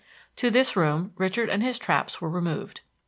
To this room Richard and his traps were removed.